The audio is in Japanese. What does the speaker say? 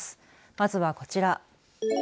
まずはこちら。